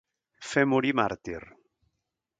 Fer morir màrtir.